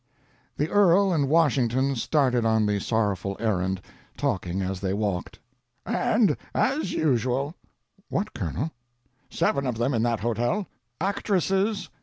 The earl and Washington started on the sorrowful errand, talking as they walked. "And as usual!" "What, Colonel?" "Seven of them in that hotel. Actresses.